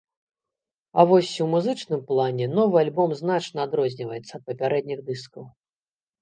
А вось у музычным плане новы альбом значна адрозніваецца ад папярэдніх дыскаў.